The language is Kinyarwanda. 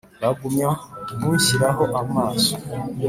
Bagumya kunshyiraho amaso